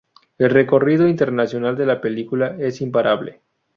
El recorrido internacional de la película es imparable.